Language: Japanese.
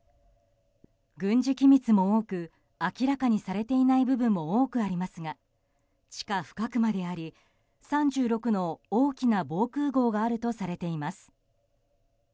軍事機密も多く明らかにされていない部分も多くありますが地下深くまであり３６の大きな防空壕があるとされています。